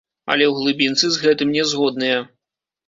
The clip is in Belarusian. Але ў глыбінцы з гэтым не згодныя.